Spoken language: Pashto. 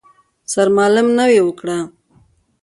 سرمالم نوې وکړه.